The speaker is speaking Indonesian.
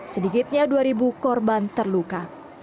sedikitnya dua korban terluka